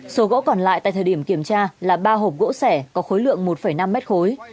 số gỗ còn lại tại thời điểm kiểm tra là ba hộp gỗ sẻ có khối lượng một năm mét khối